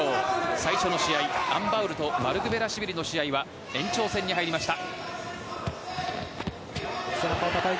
最初の試合、アン・バウルとマルクベラシュビリの試合は延長戦に入りました。